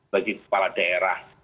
bagi kepala daerah